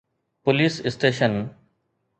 police station